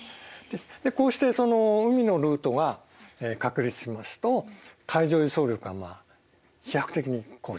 でこうして海のルートが確立しますと海上輸送力がまあ飛躍的に向上する。